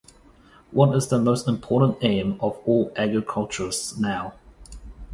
What is the most important aim of all agriculturists now?